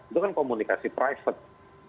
itu kan komunikasi private